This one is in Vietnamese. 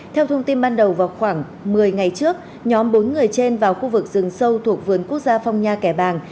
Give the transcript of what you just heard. theo thông tin ban đầu vào khoảng một mươi ngày trước nhóm bốn người trên vào khu vực rừng sâu thuộc vườn quốc gia phong nha kẻ bàng